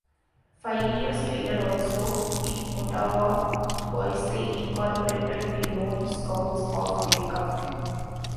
Five years later, also in Ottawa, Boyce incorporated the Lone Scouts of America.